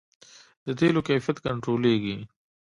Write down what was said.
د تیلو کیفیت کنټرولیږي؟